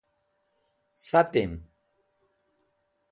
Satim.